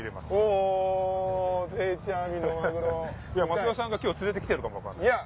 松田さんが今日連れてきてるかも分かんない。